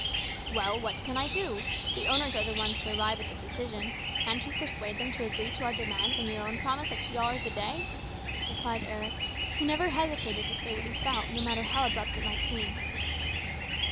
" Well, what can I do ? The owners are the ones to arrive at a decision. Can't you persuade them to agree to our demands and your own promise of two dollars a day ?" replied Eric, who never hesitated to say what he felt, no matter how abrupt it might seem.